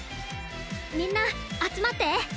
みんな集まって。